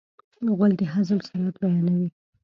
غول د هضم سرعت بیانوي.